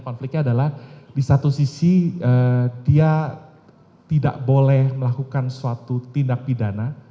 konfliknya adalah di satu sisi dia tidak boleh melakukan suatu tindak pidana